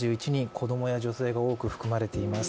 子供や女性が多く含まれています。